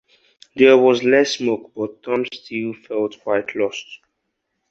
There was less smoke, but Tom still felt quite lost.